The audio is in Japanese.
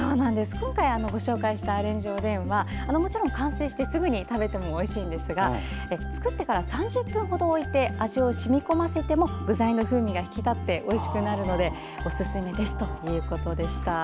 今回ご紹介したアレンジおでんはもちろん完成してすぐ食べてもおいしいんですが作ってから３０分ほど置いて味を染み込ませても具材の風味が引き立っておいしくなるのでおすすめですということでした。